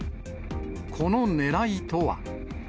このねらいとは。